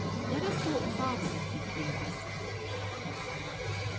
Let us walk farther, if you please."